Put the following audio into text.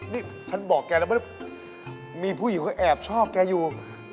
นี่ฉันบอกแกแล้วมีผู้หญิงแอบชอบแกอยู่